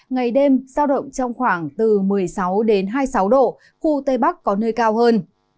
ngày đêm giao động trong khoảng từ một mươi sáu đến hai mươi sáu độ khu tây bắc có nơi cao hơn